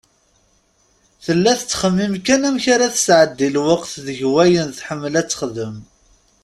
Tella tettxemmim kan amek ara tesɛeddi lweqt deg wayen tḥemmel ad texdem.